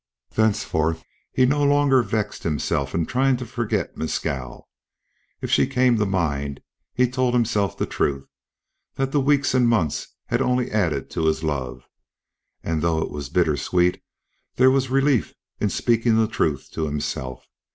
Thenceforth he no longer vexed himself by trying to forget Mescal; if she came to mind he told himself the truth, that the weeks and months had only added to his love. And though it was bitter sweet there was relief in speaking the truth to himself.